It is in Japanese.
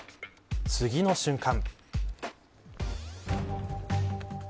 次の瞬間。